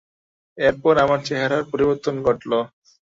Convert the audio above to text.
এরপর আমার চেহারার পরিবর্তন ঘটল।